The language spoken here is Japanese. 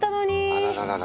あらららら。